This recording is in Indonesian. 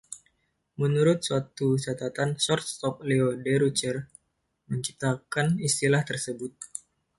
Menurut suatu catatan, shortstop Leo Durocher menciptakan istilah tersebut.